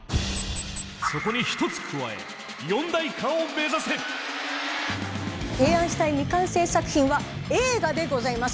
そこに１つ加え提案したい未完成作品は映画でございます。